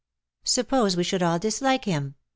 " Suppose we should all dislike him ?''